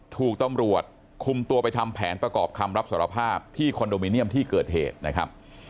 ถูกตำรวจคุมตัวไปทำแผนประกอบคำรับสารภาพที่คอนโดมิเนียมที่เกิดเหตุนะครับ